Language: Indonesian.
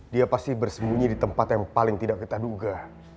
dia pasti bersembunyi di tempat yang paling tidak kita duga